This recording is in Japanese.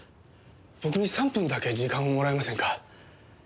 僕に３分だけ時間をもらえませんか？